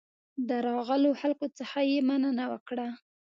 د راغلو خلکو څخه یې مننه وکړه.